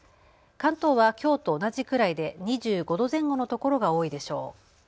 関東はきょうと同じくらいで２５度前後のところが多いでしょう。